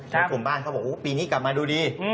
กลุ่มบ้านเขาบอกปีนี้กลับมาดูดี